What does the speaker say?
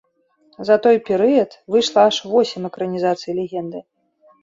За той перыяд выйшла аж восем экранізацый легенды.